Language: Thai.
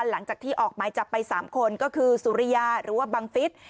หลังจากที่ออกหมายจับไป๓คนก็คือสุริยาหรือว่าบังฟิศ